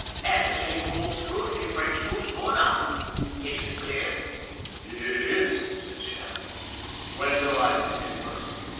An* the same holds true if she breaks loose goin' up. Is ut clear? "" It is," said Shanley. " When do I begin work?